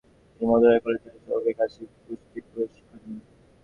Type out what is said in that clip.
তিনি মথুরার কালিচরণ চৌবের কাছে কুস্তির প্রশিক্ষণ নেন।